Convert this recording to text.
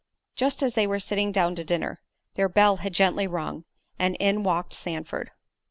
Just as they were sitting down to dinner their bell gently rung, and in walked Sandford.